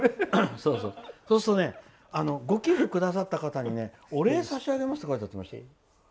そうするとねご寄付くださった方々にお礼を差し上げますって書いてあったよ。